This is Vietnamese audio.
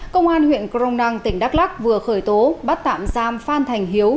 công an huyện cronang tỉnh đắk lắc vừa khởi tố bắt tạm giam phan thành hiếu